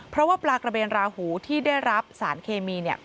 เพราะว่าปลากระเบนราหูที่ได้รับสารเคมี